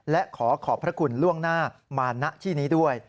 และขอขอบพระคุณล่วงหน้ามาณที่นี้ด้วย